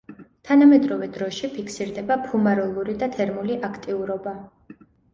თანამედროვე დროში ფიქსირდება ფუმაროლური და თერმული აქტიურობა.